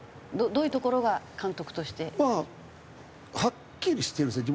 どういうところが監督として。ハッキリしてるんですね。